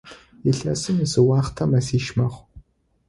Илъэсым изыуахътэ мэзищ мэхъу.